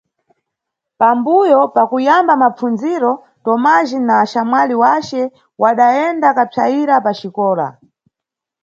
Pambuyo pakuyamba mapfundziro, Tomajhi na axamwali wace wadayenda kapsayira paxikola.